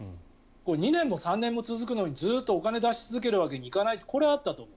２年も３年も続くのにずっとお金を出し続けるわけにはいかないってこれはあったと思う。